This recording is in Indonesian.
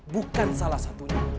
bukan salah satunya